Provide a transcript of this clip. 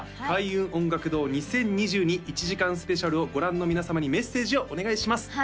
開運音楽堂２０２２１時間ＳＰ！！をご覧の皆様にメッセージをお願いします